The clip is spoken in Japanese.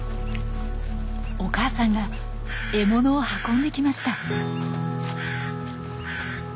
お母さんが獲物を運んできました。